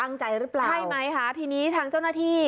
ใจหรือเปล่าใช่ไหมคะทีนี้ทางเจ้าหน้าที่